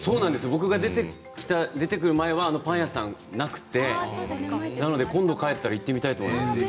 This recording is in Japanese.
僕が出てくる前はパン屋さんがなくてなので今度帰ったら行ってみたいと思います。